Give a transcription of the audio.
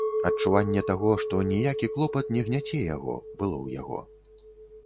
Адчуванне таго, што ніякі клопат не гняце яго, было ў яго.